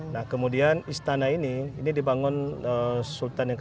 nah kemudian istana ini ini dibangun sultan yang